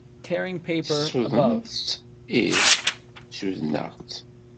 Tessudned-tt? Ih, ssudneɣ-tt.